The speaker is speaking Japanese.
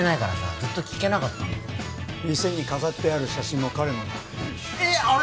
ずっと聞けなかったの店に飾ってある写真も彼のだえっあれ？